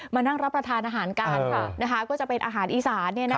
มานั่งรับประทานอาหารกันก็จะเป็นอาหารอีสาน